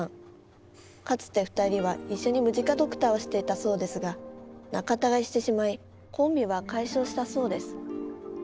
かつて２人は一緒にムジカドクターをしていたそうですが仲たがいしてしまいコンビは解消したそうです